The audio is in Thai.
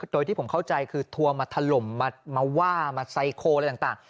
โดยที่ผมเข้าใจคือทัวร์มาถล่มมาว่ามาไซโคอะไรต่าง